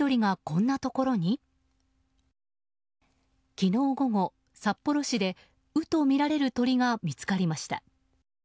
昨日午後、札幌市で鵜とみられる鳥が見つかりました。